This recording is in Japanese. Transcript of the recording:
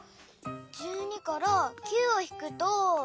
１２から９をひくと。